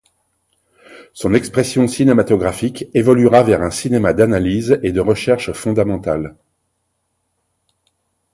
Son expression cinématographique évoluera vers un cinéma d’analyse et de recherche fondamentale.